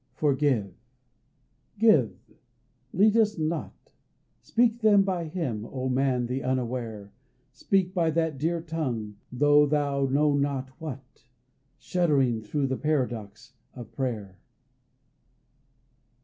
"Forgive," "give," "lead us not"— Speak them by Him, O man the unaware, Speak by that dear tongue, though thou know not what, Shuddering through the paradox of prayer.